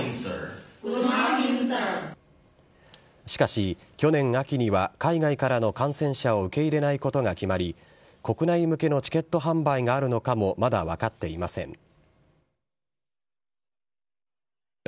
しかし、去年秋には海外からの観戦者を受け入れないことが決まり、国内向けのチケット販売があるのかもまだ分かっていません。